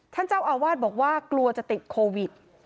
ท่านเจ้าอาวาสบอกว่ากลัวจะติดโควิด